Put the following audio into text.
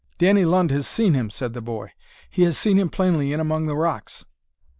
"Danny Lund has seen him," said the boy, "he has seen him plainly in among the rocks."